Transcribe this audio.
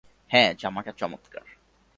হ্যাঁ, জামাটা চমৎকার।